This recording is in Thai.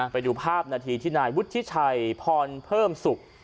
ไปดูภาพนาทีที่นายวุฒิชัยพรเพิ่มศุกร์